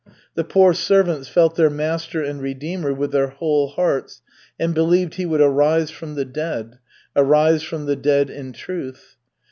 The poor servants felt their Master and Redeemer with their whole hearts and believed He would arise from the dead, arise from the dead in truth.